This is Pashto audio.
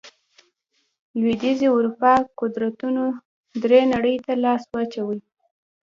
لوېدیځې اروپا قدرتونو نورې نړۍ ته لاس واچوي.